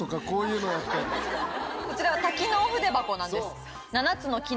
こちらは多機能筆箱なんです。